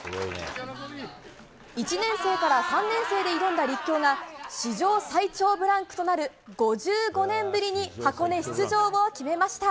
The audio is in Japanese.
１年生から３年生で挑んだ立教が、史上最長ブランクとなる５５年ぶりに、箱根出場を決めました。